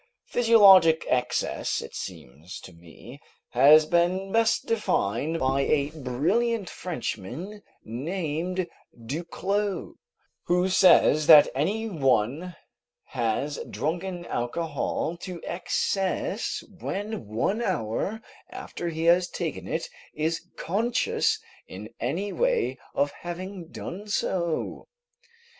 Physiologic excess, it seems to me, has been best defined by a brilliant Frenchman named Duclaux, who says that any one has drunken alcohol to excess who one hour after he has taken it is conscious in any way of having done so.